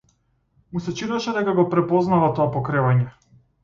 Му се чинеше дека го препознава тоа покревање.